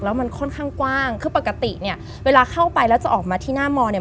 แล้วมันค่อนข้างกว้างคือปกติเนี่ยเวลาเข้าไปแล้วจะออกมาที่หน้ามอเนี่ย